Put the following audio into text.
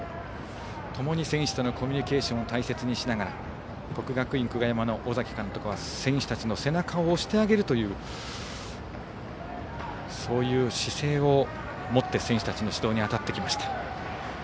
ともに選手とのコミュニケーションを大切にしながら国学院久我山の尾崎監督は選手たちの背中を押してあげるそういう姿勢を持って選手たちの指導に当たってきました。